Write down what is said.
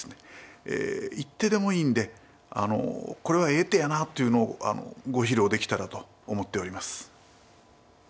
一手でもいいんで「これはええ手やな」というのをご披露できたらと思っております。